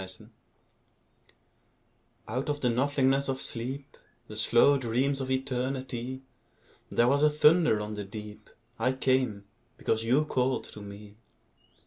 The Call Out of the nothingness of sleep, The slow dreams of Eternity, There was a thunder on the deep: I came, because you called to me.